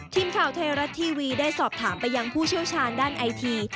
ทีมข่าวไทยรัฐทีวีได้สอบถามไปยังผู้เชี่ยวชาญด้านไอที